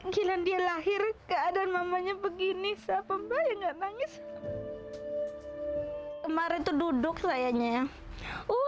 gila dia lahir keadaan mamanya begini siapa mbak ya nggak nangis kemarin tuh duduk sayangnya uh